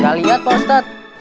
gak liat pak ustadz